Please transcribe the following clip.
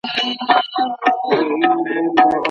ایا افغان سوداګر وچه مېوه پلوري؟